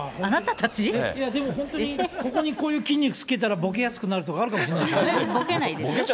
でも本当に、ここにこういう筋肉つけたらぼけやすくなるとかあるかもしれないぼけないです。